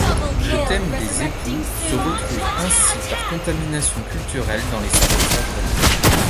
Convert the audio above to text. Le thème des époux se retrouve ainsi, par contamination culturelle, dans les sarcophages romains.